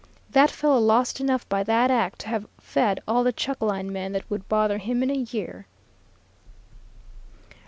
That fellow lost enough by that act to have fed all the chuck line men that would bother him in a year.